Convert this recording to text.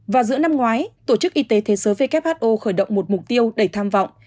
và giữa năm ngoái tổ chức y tế thế giới who khởi động một mục tiêu đầy tham vọng